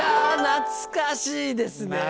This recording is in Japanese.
懐かしいですよ。